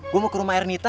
gue mau ke rumah ernita